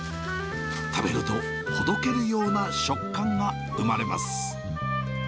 食べるとほどけるような食感が生まれます。